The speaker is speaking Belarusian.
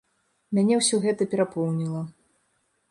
Мяне ўсё гэта перапоўніла.